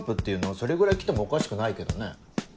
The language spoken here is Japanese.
それぐらい来てもおかしくないけどね。